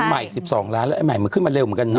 ใหม่สิบสองล้านแล้วใหม่มันขึ้นมาเร็วเหมือนกันน้อย